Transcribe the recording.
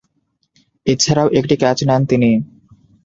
এছাড়াও একটি ক্যাচ নেন তিনি।